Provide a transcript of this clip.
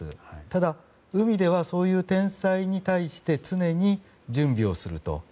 ただ、海ではそういう天災に対して常に準備をすると。